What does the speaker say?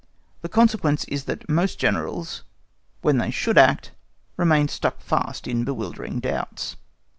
The consequence is that most Generals, when they should act, remain stuck fast in bewildering doubts.